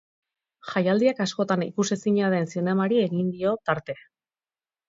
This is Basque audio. Jaialdiak askotan ikusezina den zinemari egingo dio tarte.